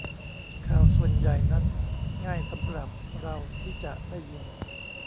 ข่าวส่วนใหญ่นั้นง่ายสำหรับเราที่จะได้ยิน